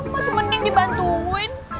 masuk mending dibantuin